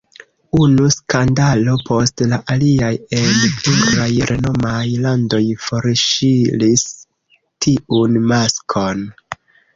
Unu skandalo post la alia en pluraj renomaj landoj forŝiris tiun maskon.